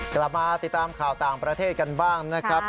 กลับมาติดตามข่าวต่างประเทศกันบ้างนะครับ